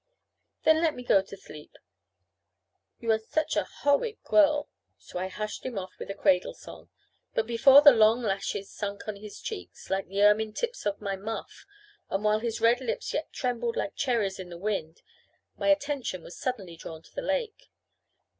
"Then do let me go to thleep; you are such a howwid girl." So I hushed him off with a cradle song. But before the long lashes sunk flat on his cheeks, like the ermine tips on my muff, and while his red lips yet trembled like cherries in the wind, my attention was suddenly drawn to the lake.